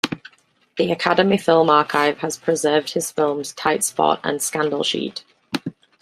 The Academy Film Archive has preserved his films "Tight Spot" and "Scandal Sheet".